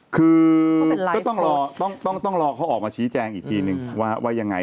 คือก็ต้องรอต้องรอเขาออกมาชี้แจงอีกทีนึงว่ายังไง